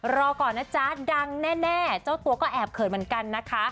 รอก่อนนะจ๊ะดังแน่เจ้าตัวก็แอบเขินเหมือนกันนะคะ